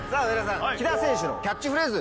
木田選手のキャッチフレーズ